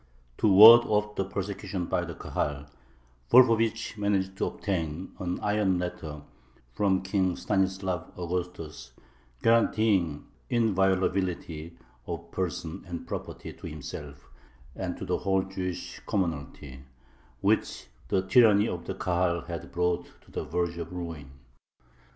To ward off the persecution by the Kahal, Volfovich managed to obtain an "iron letter" from King Stanislav Augustus, guaranteeing inviolability of person and property to himself and to the whole Jewish commonalty, "which the tyranny of the Kahal had brought to the verge of ruin."